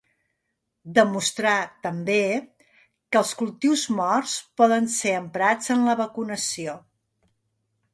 Demostrà també que els cultius morts poden ser emprats en la vacunació.